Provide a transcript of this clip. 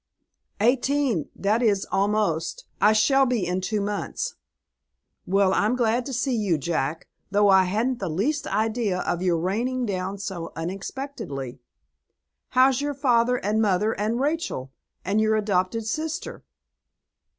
"Eighteen, that is, almost; I shall be in two months." "Well, I'm glad to see you, Jack, though I hadn't the least idea of your raining down so unexpectedly. How's your father and mother and Rachel, and your adopted sister?"